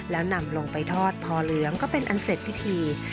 แล้วนำลงไปทอดพอเหลืองก็เป็นอันเสร็จพิธี